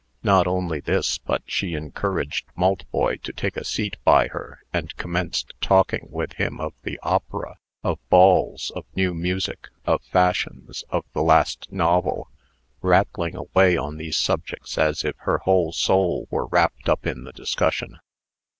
Not only this, but she encouraged Maltboy to take a seat by her, and commenced talking with him of the opera, of balls, of new music, of fashions, of the last novel, rattling away on these subjects as if her whole soul were wrapped up in the discussion.